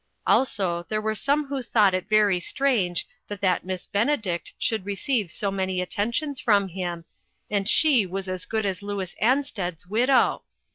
Also there were some who thought it very strange that that Miss Bene dict would receive so many attentions from him, when she was as good as Louis An sted's widow!